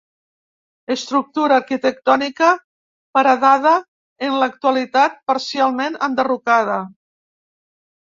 Estructura arquitectònica paredada, en l'actualitat parcialment enderrocada.